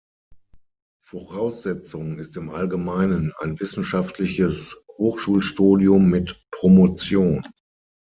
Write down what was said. Voraussetzung ist im Allgemeinen ein wissenschaftliches Hochschulstudium mit Promotion.